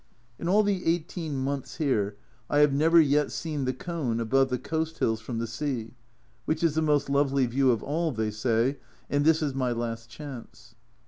In all the eighteen months here I have never yet seen the cone above the coast hills from the sea, which is the most lovely view of all, they say, and this is my last chance.